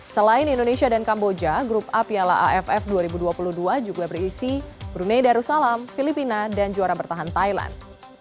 selain indonesia dan kamboja grup a piala aff dua ribu dua puluh dua juga berisi brunei darussalam filipina dan juara bertahan thailand